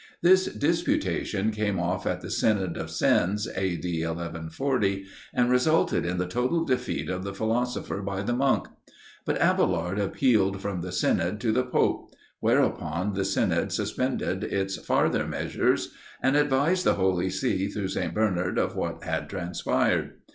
This disputation came off at the Synod of Sens, A. D. 1140, and resulted in the total defeat of the philosopher by the monk. But Abailard appealed from the synod to the pope; whereupon the synod suspended its farther measures, and advised the Holy See through St. Bernard of what had transpired.